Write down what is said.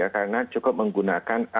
karena cukup menggunakan